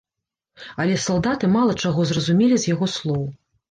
Але салдаты мала чаго зразумелі з яго слоў.